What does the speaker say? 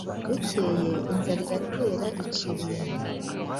Bukeye inzara iratera ica ibintu,